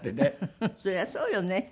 フフフそりゃそうよね。